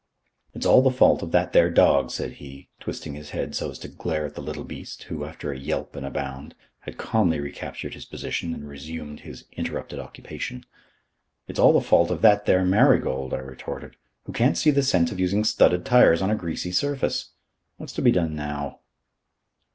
"It's all the fault of that there dog," said he, twisting his head so as to glare at the little beast, who, after a yelp and a bound, had calmly recaptured his position and resumed his interrupted occupation. "It's all the fault of that there Marigold," I retorted, "who can't see the sense of using studded tyres on a greasy surface. What's to be done now?"